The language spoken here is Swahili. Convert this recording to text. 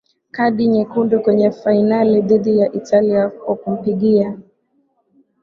Kadi nyekundu kwenye fainali dhidi ya Italia kwa kumpiga